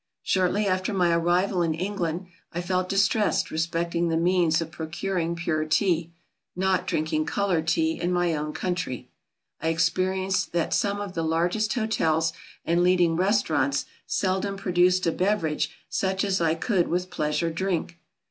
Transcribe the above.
Shortly after my arrival in England, I felt distressed respecting the means of procuring pure Tea, not drinking coloured Tea in my own country. I experienced that some of the largest hotels and leading restaurants seldom produced a beverage such as I could with pleasure drink.